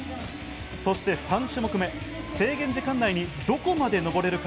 そして３種目目、制限時間内にどこまで登れるか。